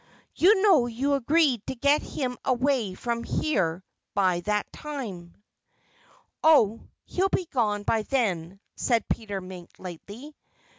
You know you agreed to get him away from here by that time." "Oh! He'll be gone by then," said Peter Mink lightly.